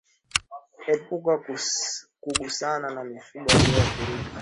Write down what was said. Epuka kugusana na mifugo walioathirika